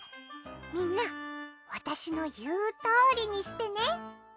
みんな私の言うとおりにしてね。